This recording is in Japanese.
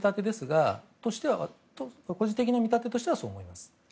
個人的な見立てとしてはそう思います。